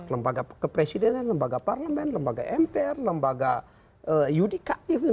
lembaga kepresidenan lembaga parlemen lembaga mpr lembaga yudikatif